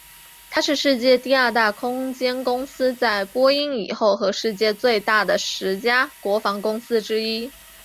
它是世界第二大空间公司在波音以后和世界上最大的十家国防公司之一。